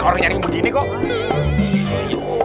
orang nyari begini kok